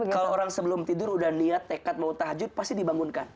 kalau orang sebelum tidur udah niat tekad mau tahajud pasti dibangunkan